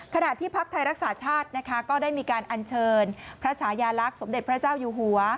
ขณะที่พักไทยรักษาชาตินะคะก็ได้มีการอัญเชิญพระฉายาลักษณ์สมเด็จพระเจ้าอยู่หัว